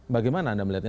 bagaimana anda melihatnya